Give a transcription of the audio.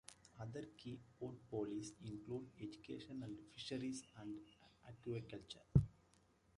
Other key portfolios include Education and Fisheries and Aquaculture.